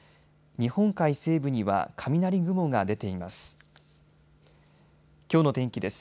日本海西部には雷雲が出ています。